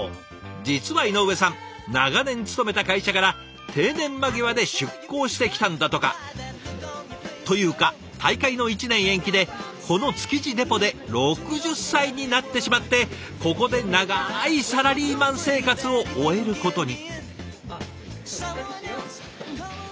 実は井上さん長年勤めた会社から定年間際で出向してきたんだとか。というか大会の１年延期でこの築地デポで６０歳になってしまってここで長いサラリーマン生活を終えることに。